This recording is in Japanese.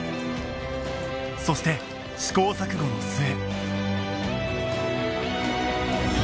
そして試行錯誤の末